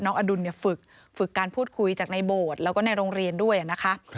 อดุลฝึกฝึกการพูดคุยจากในโบสถ์แล้วก็ในโรงเรียนด้วยนะคะ